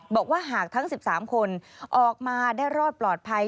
บอกว่าหากทั้ง๑๓คนออกมาได้รอดปลอดภัย